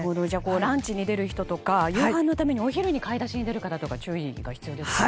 ランチに出る人とか夕飯のためにお昼に買い出しに出る方は注意が必要ですね。